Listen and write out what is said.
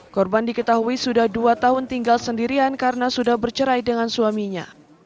korban diketahui sudah dua tahun tinggal sendirian karena sudah bercerai dengan suaminya